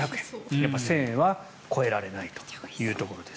やっぱり１０００円は超えられないというところ。